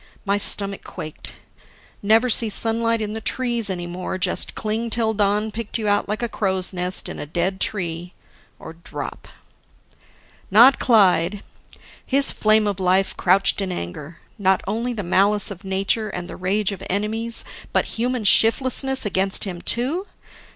My stomach quaked: Never see sunlight in the trees any more, just cling till dawn picked you out like a crow's nest in a dead tree; or drop ... Not Clyde. His flame of life crouched in anger. Not only the malice of nature and the rage of enemies, but human shiftlessness against him too?